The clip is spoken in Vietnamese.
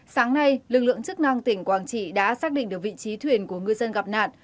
sáng nay lực lượng chức năng tỉnh quảng trị đã xác định được vị trí thuyền của ngư dân gặp nạn